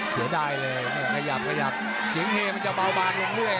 เผื่อได้เลยขยับขยับเสียงเฮมันจะเบาบานลงด้วย